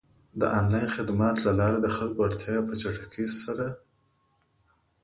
د آنلاین خدماتو له لارې د خلکو اړتیاوې په چټکۍ سره پ